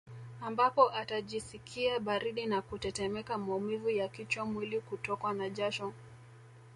Ambapo atajisikia baridi na kutetemeka maumivu ya kichwa mwili Kutokwa na jasho